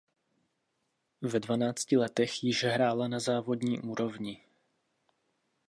Ve dvanácti letech již hrála na závodní úrovni.